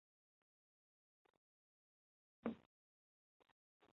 断穗狗尾草为禾本科狗尾草属下的一个种。